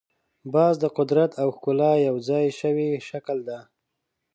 باز د قدرت او ښکلا یو ځای شوی شکل دی